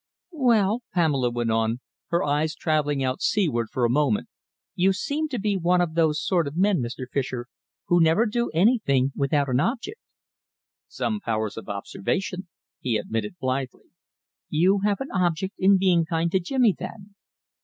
"Well," Pamela went on, her eyes travelling out seaward for a moment, "you seem to be one of those sort of men, Mr. Fischer, who never do anything without an object." "Some powers of observation," he admitted blithely. "You have an object in being kind to Jimmy, then?"